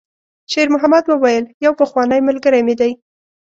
شېرمحمد وویل: «یو پخوانی ملګری مې دی.»